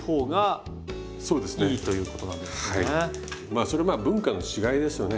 まあそれまあ文化の違いですよね。